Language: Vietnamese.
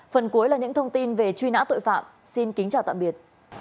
phần cuối là những thông tin về truy nã tội phạm xin kính chào tạm biệt